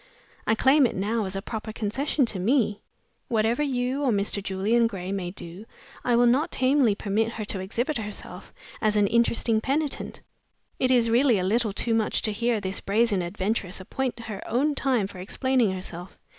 I claim it now as a proper concession to Me. Whatever you or Mr. Julian Gray may do, I will not tamely permit her to exhibit herself as an interesting penitent. It is really a little too much to hear this brazen adventuress appoint her own time for explaining herself.